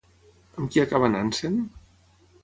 Amb qui acaba anant-se'n?